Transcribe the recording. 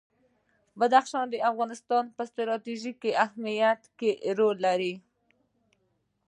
بدخشان د افغانستان په ستراتیژیک اهمیت کې رول لري.